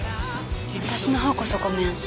私のほうこそごめん。